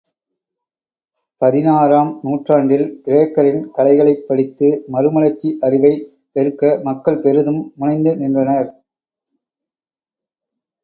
பதினாறாம் நூற்றாண்டில் கிரேக்கரின் கலைகளைப் படித்து மறுமலர்ச்சி அறிவைப் பெருக்க மக்கள் பெரிதும் முனைந்து நின்றனர்.